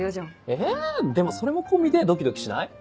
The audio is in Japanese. えでもそれも込みでドキドキしない？